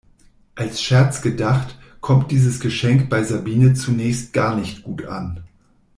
Als Scherz gedacht, kommt dieses Geschenk bei Sabine zunächst gar nicht gut an.